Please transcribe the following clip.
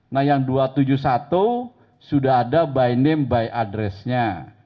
nah yang dua ratus tujuh puluh satu sudah ada by name by address nya